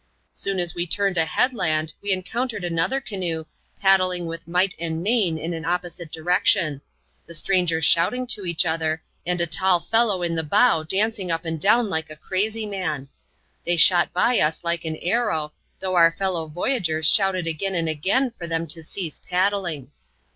Soon as we turned a headland, we encountered another canoe, paddling with might and main in an opposite direction; the strangers shouting to each other, and a tall fellow in the bow dancing up and down like a crazj man. Thej shot by us like an arrow, though our fellow voyagers shouted again and again, for them to cease paddling.